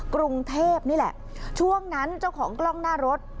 กรุงเทพนี่แหละช่วงนั้นเจ้าของกล้องหน้ารถ